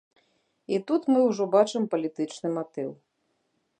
І тут мы ўжо бачым палітычны матыў.